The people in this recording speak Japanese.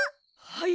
はい。